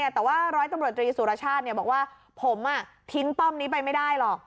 แต่ว่าร้อยตำรวจตรีสุรชาติบอกว่าผมทิ้งป้อมนี้ไปไม่ได้หรอก